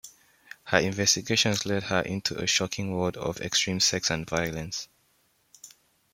Her investigations lead her into a shocking world of extreme sex and violence.